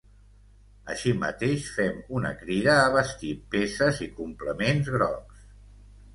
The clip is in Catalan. Així mateix, fem una crida a vestir peces i complements grocs.